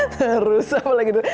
terus apa lagi itu